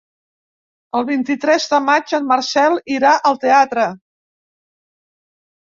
El vint-i-tres de maig en Marcel irà al teatre.